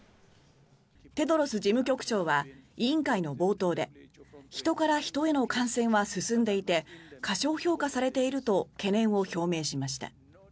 テドロス事務局長は委員会の冒頭で人から人への感染は進んでいて過小評価されていると懸念を表明しました。